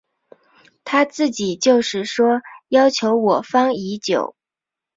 他自己就是说要求我方已久。